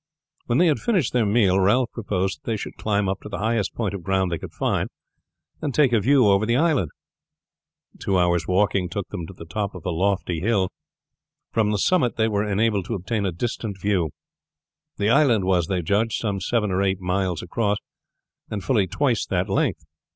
When they had finished their meal Ralph proposed that they should climb up to the highest point of ground they could find, and take a view over the island. Two hours' walking took them to the top of a lofty hill. From the summit they were enabled to obtain a distant view. The island was, they judged, some seven or eight miles across, and fully twice that length.